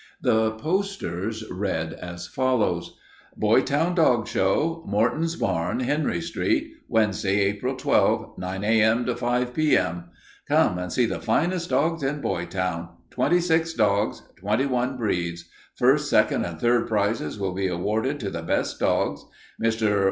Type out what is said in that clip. The posters read as follows: BOYTOWN DOG SHOW! Morton's Barn, Henry Street. WEDNESDAY, APRIL 12. 9 A.M. to 5 P.M. Come and see the finest dogs in Boytown. 26 dogs 21 breeds. First, second, and third prizes will be awarded to the best dogs. Mr.